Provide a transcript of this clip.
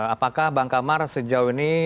apakah bang kamar sejauh ini